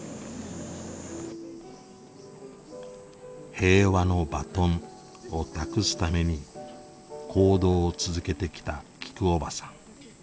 平和のバトンを託すために行動を続けてきたきくおばさん。